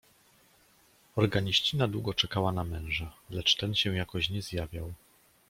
"Organiścina długo czekała na męża, lecz ten się jakoś nie zjawiał."